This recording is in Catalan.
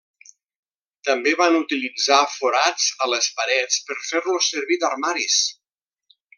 També van utilitzar forats a les parets per fer-los servir d'armaris.